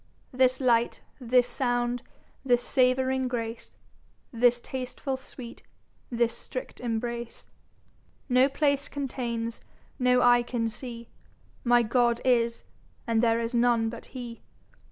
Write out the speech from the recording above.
This Light, this Sound, this Savouring Grace, This Tastefull Sweet, this Strict Embrace, No Place containes, no Eye can see, My God is; and there's none but Hee.